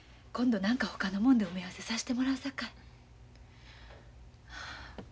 今度何かほかのもんで埋め合わせさしてもらうさかい。